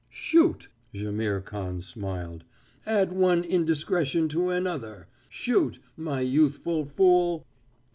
"Shoot!" Jaimihr Khan smiled. "Add one in discretion to another. Shoot, my youthful fool!"